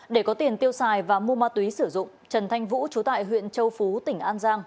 để có tiền tiêu xài và mua ma túy sử dụng trần thanh vũ chú tại huyện châu phú tỉnh an giang